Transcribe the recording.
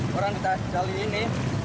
ya orang bisa jali ini